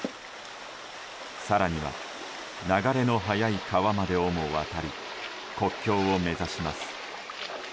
更には流れの速い川までをも渡り国境を目指します。